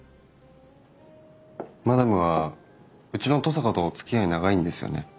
マダムはうちの登坂とおつきあい長いんですよね？